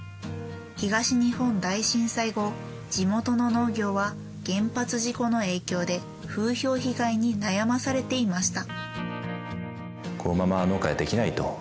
東日本大震災後地元の農業は原発事故の影響で風評被害に悩まされていました。